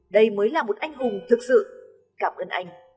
đây mới là một anh hùng thực sự cảm ơn anh